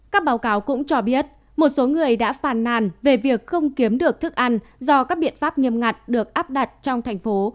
các báo cáo cũng cho biết một số người đã phàn nàn về việc không kiếm được thức ăn do các biện pháp nghiêm ngặt được áp đặt trong thành phố